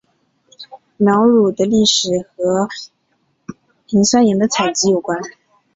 瑙鲁的历史和磷酸盐的采集有关。